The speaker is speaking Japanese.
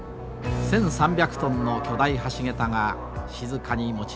１，３００トンの巨大橋桁が静かに持ち上がりました。